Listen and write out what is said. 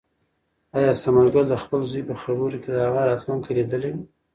آیا ثمرګل د خپل زوی په خبرو کې د هغه راتلونکی لیدلی و؟